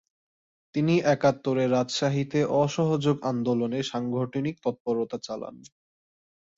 তিনি একাত্তরে রাজশাহীতে অসহযোগ আন্দোলনে সাংগঠনিক তৎপরতা চালান।